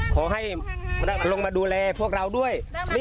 ขอให้ลงมาดูแลพวกเราด้วย